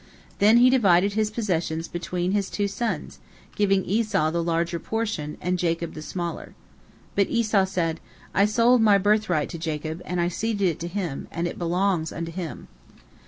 Then he divided his possessions between his two sons, giving Esau the larger portion, and Jacob the smaller. But Esau said, "I sold my birthright to Jacob, and I ceded it to him, and it belongs unto him."